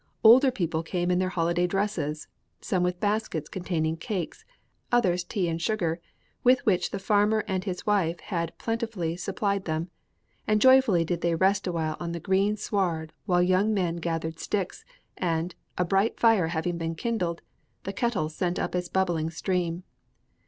Older people came in their holiday dresses, some with baskets containing cakes, others tea and sugar, with which the farmer and his wife had plentifully supplied them; and joyfully did they rest a while on the green sward while young men gathered sticks, and, a bright fire having been kindled, the kettle sent up its bubbling steam.